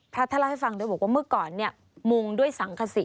พระธรรมให้ฟังโดยบอกว่าเมื่อก่อนเนี่ยมุงด้วยสังขสิ